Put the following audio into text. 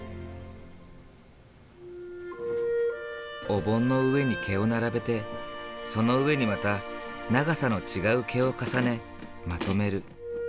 お盆の上に毛を並べてその上にまた長さの違う毛を重ねまとめる。